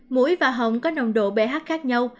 mũi và hồng có nồng độ ph khác nhau